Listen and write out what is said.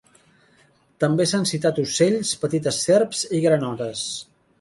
També s'han citat ocells, petites serps i granotes.